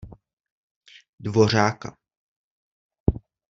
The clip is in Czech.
Dvořáka.